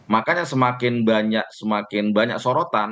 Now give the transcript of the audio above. makanya semakin banyak sorotan